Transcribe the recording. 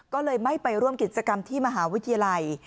ก็เลยไม่ไปร่วมกิจกรรมที่มหาวิทยาลัย